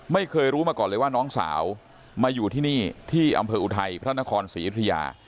ไม่เคยรู้มาก่อนเลยว่าน้องสาวมาอยู่ที่นี่ที่อำเภออุทัยพระนครศรีอยุธยา